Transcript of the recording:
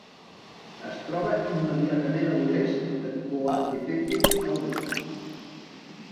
Es troba immediatament a l'oest de Coatepeque Caldera.